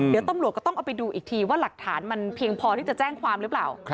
เดี๋ยวตำรวจก็ต้องเอาไปดูอีกทีว่าหลักฐานมันเพียงพอที่จะแจ้งความหรือเปล่า